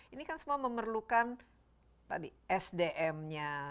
ini kan semua memerlukan tadi sdm nya